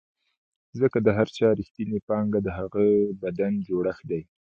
ځکه د هر چا رښتینې پانګه د هغه بدن جوړښت دی.